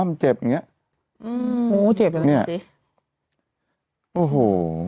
มันเจ็บอย่างเงี้ยอืมโหเจ็บเลยเนี้ยเนี้ยโอ้โห